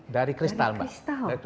dari kristal mbak